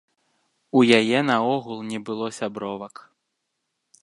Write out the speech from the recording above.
У яе наогул не было сябровак.